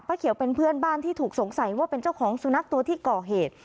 เขียวเป็นเพื่อนบ้านที่ถูกสงสัยว่าเป็นเจ้าของสุนัขตัวที่ก่อเหตุ